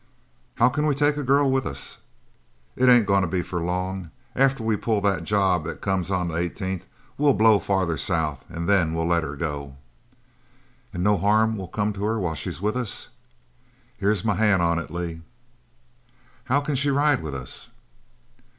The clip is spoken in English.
"How can we take a girl with us." "It ain't goin' to be for long. After we pull the job that comes on the eighteenth, we'll blow farther south an' then we'll let her go." "And no harm will come to her while she's with us?" "Here's my hand on it, Lee." "How can she ride with us?"